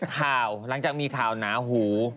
ก็หลังมีข่าวหูหู